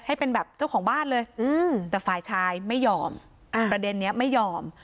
ให้เป็นแบบเจ้าของบ้านเลยแต่ฝ่ายชายไม่ยอมประเด็นนี้ไม่ยอม